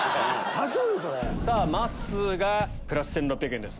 まっすーがプラス１６００円です。